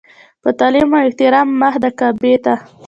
په تعلیم او احترام مخ د کعبې ته.